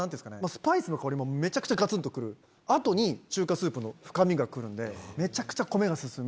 スパイスの香りもめちゃくちゃガツンとくる後に中華スープの深みがくるんでめちゃくちゃ米が進む。